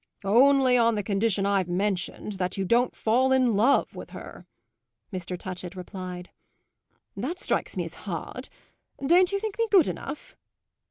"Only on the condition I've mentioned that you don't fall in love with her!" Mr. Touchett replied. "That strikes me as hard, don't you think me good enough?"